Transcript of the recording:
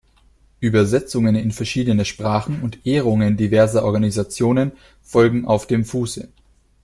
Übersetzungen in verschiedene Sprachen und Ehrungen diverser Organisationen folgen auf dem Fuße.